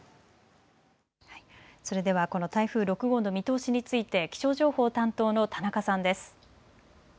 それではこの台風６号の見通しについて、気象情報担当の田中さんです。